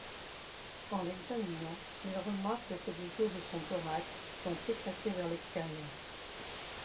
En l'examinant, ils remarquent que des os de son thorax sont éclatés vers l’extérieur.